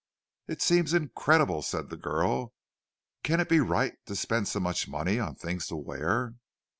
"It seems incredible," said the girl. "Can it be right to spend so much money for things to wear?"